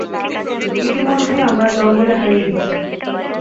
ইতিমধ্যে, আমরা জঙ্গলে হারিয়ে গেছি।